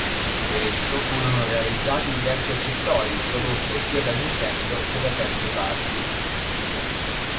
Per esso furono realizzati diversi accessori, prodotto sia da Nintendo che da terze parti.